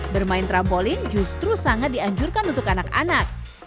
bermain trampolin justru sangat dianjurkan untuk anak anak